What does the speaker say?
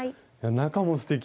中もすてき。